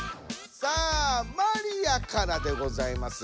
さあマリアからでございます。